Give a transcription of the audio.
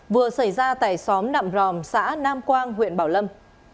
vừa xảy ra tại xóm nạm ròm xã nam quang huyện bảo lâm